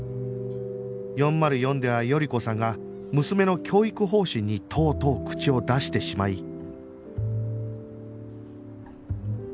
４０４では頼子さんが娘の教育方針にとうとう口を出してしまい